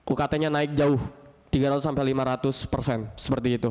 ukt nya naik jauh tiga ratus sampai lima ratus persen seperti itu